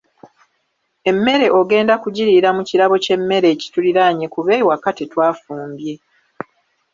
Emmere ogenda kugiriira mu kirabo ky'emmere ekituliraanye kuba ewaka tetwafumbye.